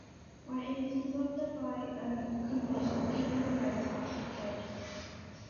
Mae ei ddiddordebau yn cynnwys cerddoriaeth a chriced.